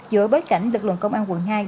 giữa bối cảnh lực lượng công an quận hai